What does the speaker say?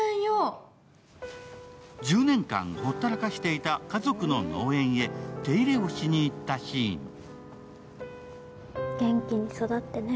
１０年間ほったらかしていた家族の農園へ手入れをしにいったシーン。